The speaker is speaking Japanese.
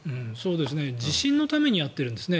地震のためにやっているんですね。